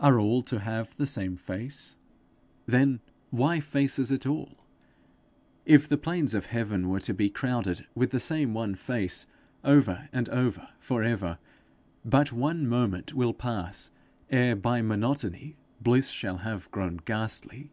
Are all to have the same face? then why faces at all? If the plains of heaven are to be crowded with the same one face over and over for ever, but one moment will pass ere by monotony bliss shall have grown ghastly.